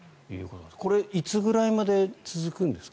これ、いつぐらいまで続くんですか？